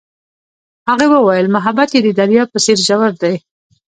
هغې وویل محبت یې د دریا په څېر ژور دی.